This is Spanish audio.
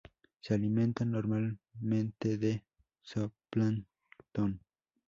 Se alimentan normalmente de zooplancton.